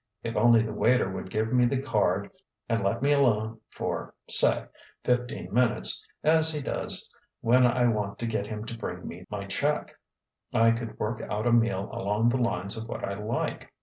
If only the waiter would give me the card and let me alone for, say, fifteen minutes, as he does when I want to get him to bring me my check, I could work out a meal along the lines of what I like.